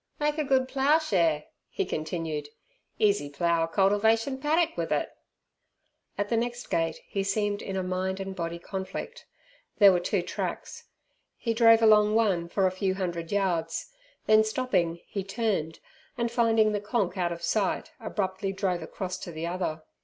"Make a good plough shere," he continued, "easy plough a cultivation paddock with it!" At the next gate he seemed in a mind and body conflict. There were two tracks; he drove along one for a few hundred yards. Then stopping, he turned, and finding the "Konk" out of sight, abruptly drove across to the other.